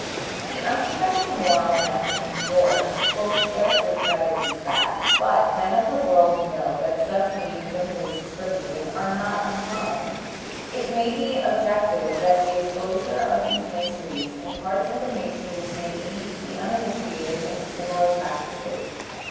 The unsuspecting moral men of New York will scarcely credit these facts, but men of the world know that such meetings and places for meeting are not uncommon. It may be objected that the exposure of these mysteries imparts information which may lead the uninitiated into similar practices.